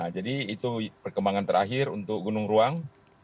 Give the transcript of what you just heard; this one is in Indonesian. jadi itu perkembangan terakhir untuk gunung ruang